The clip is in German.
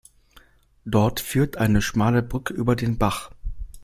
Dort führt eine schmale Brücke über den Bach.